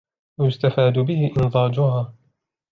وَيُسْتَفَادُ بِهِ إنْضَاجُهَا